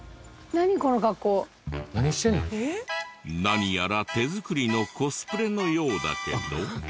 何やら手作りのコスプレのようだけど。